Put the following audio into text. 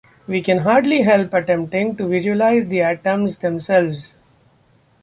We can hardly help attempting to visualize the atoms themselves.